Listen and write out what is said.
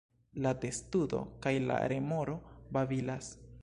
La testudo kaj la remoro babilas.